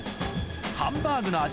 ハンバーグの味